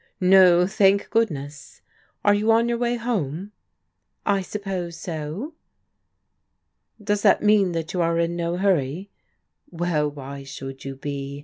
" Mo, thank goodness 1 Are you on your way home ?"" I suppose so." "Does that mean that you are in no hurry? Well, why should you be